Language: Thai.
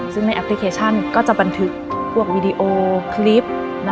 ซึ่งในแอปพลิเคชันก็จะบันทึกพวกวีดีโอคลิป